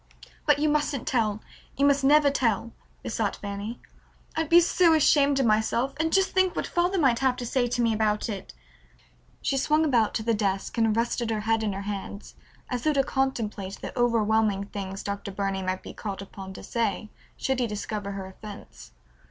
"But you mustn't tell. You must never tell," besought Fanny. "I'd be so ashamed of myself, and just think what father might have to say to me about it!" She swung about to the desk and rested her head in her hands as though to contemplate the overwhelming things Dr. Burney might be called upon to say should he discover her offense.